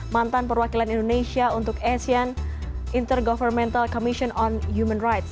mantan perwakilan indonesia untuk asean intergovernmental commission on human rights